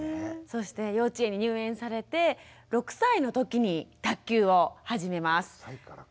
そして幼稚園に入園されて６歳の時に卓球を始めます。